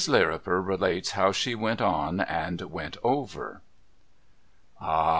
LIRRIPER RELATES HOW SHE WENT ON, AND WENT OVER Ah !